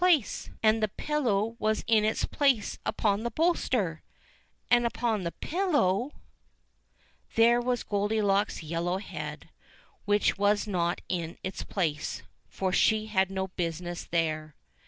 23 24 ENGLISH FAIRY TALES And the pillow was in its place upon the bolster ! And upon the pillow ? There was Goldilocks' yellow head — which was not in its place, for she had no business there.